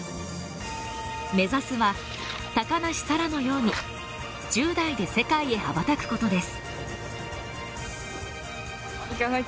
目指すは高梨沙羅のように１０代で世界に羽ばたくことです。